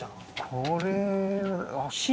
これ。